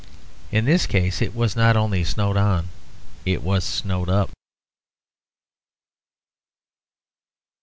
In this case it was not only snowed on, it was snowed up.